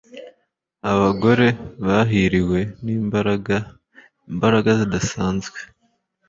abagore bahiriwe n'imbaraga - imbaraga zidasanzwe